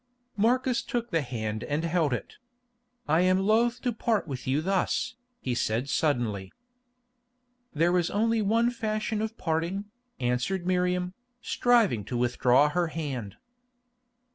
Marcus took the hand and held it. "I am loth to part with you thus," he said suddenly. "There is only one fashion of parting," answered Miriam, striving to withdraw her hand.